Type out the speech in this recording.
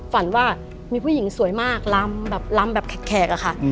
ฝันว่ามีผู้หญิงสวยมากลำแบบลำแบบแขกอะค่ะ